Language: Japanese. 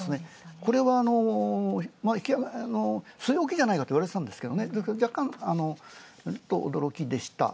これは据え置きじゃないかとといわれてたんですが、若干、驚きでした。